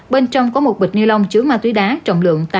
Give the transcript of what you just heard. bên trong có một bịch như lông chứa ma túy đá trọng lượng tám năm gram